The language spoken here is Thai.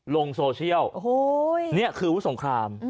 ลงโซเชียลนี่คือวุฒิสงคราม